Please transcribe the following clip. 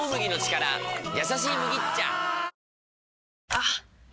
あっ！